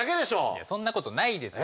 いやそんなことないですよ。